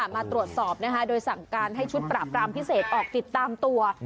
มาตรวจสอบโดยสั่งการให้ชุดปราบรามพิเศษออกติดตามตัว